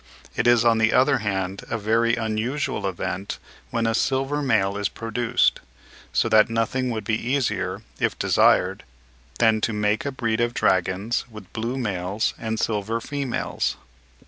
It is on the other hand a very unusual event when a silver male is produced; so that nothing would be easier, if desired, than to make a breed of dragons with blue males and silver females.